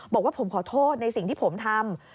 บอกว่าผมขอโทษในสิ่งที่ผมทำ